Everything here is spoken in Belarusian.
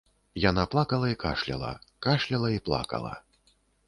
Яна плакала і кашляла, кашляла і плакала.